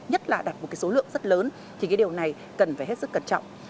nhất là đặt một cái số lượng rất lớn thì cái điều này cần phải hết sức cẩn trọng